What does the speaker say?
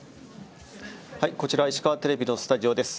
はいこちら石川テレビのスタジオです。